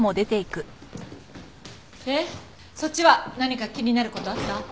でそっちは何か気になる事あった？